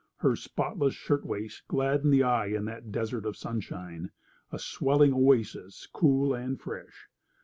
Her spotless shirt waist gladdened the eye in that desert of sunshine, a swelling oasis, cool and fresh.